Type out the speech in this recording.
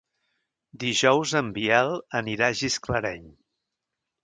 Dijous en Biel anirà a Gisclareny.